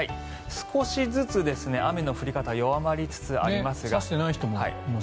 少しずつ雨の降り方は弱まりつつありますが。